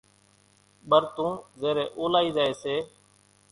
ٻرتون زيرين اولائي زائي سي،